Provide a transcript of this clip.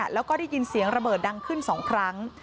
แล้วก็ได้ยินเสียงระเบิดดังขึ้น๒ครั้ง